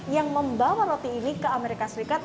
yang membawa roti ini ke amerika serikat